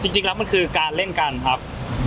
จริงแล้วมันคือการเล่นกันครับ